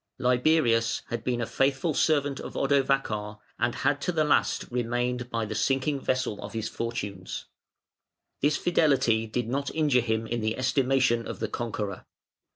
Liberius had been a faithful servant of Odovacar; and had to the last remained by the sinking vessel of his fortunes. This fidelity did not injure him in the estimation of the conqueror.